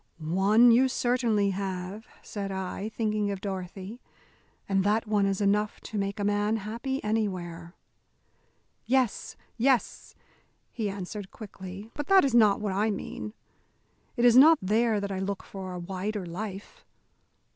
"One you certainly have," said I, thinking of Dorothy, "and that one is enough to make a man happy anywhere." "Yes, yes," he answered, quickly, "but that is not what I mean. It is not there that I look for a wider life.